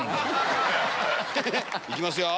行きますよ。